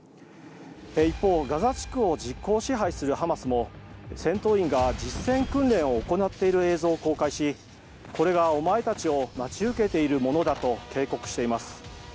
一方、ガザ地区を実効支配するハマスも戦闘員が実戦訓練を行っている映像を公開しこれがお前たちを待ち受けているものだと警告しています。